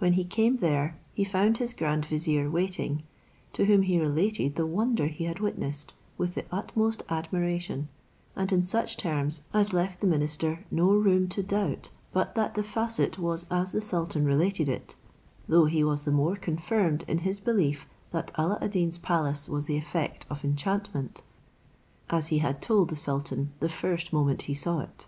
When he came there, he found his grand vizier waiting, to whom he related the wonder he had witnessed, with the utmost admiration, and in such terms as left the minister no room to doubt but that the facet was as the sultan related it; though he was the more confirmed in his belief, that Alla ad Deen's palace was the effect of enchantment, as he had told the sultan the first moment he saw it.